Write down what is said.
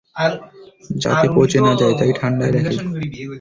যাতে পঁচে না যায় তাই ঠান্ডায় রাখি।